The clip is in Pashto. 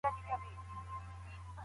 زه د خپلو یادونو په اړه فکر کوم.